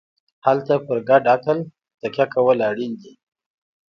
هلته پر ګډ عقل تکیه کول اړین دي.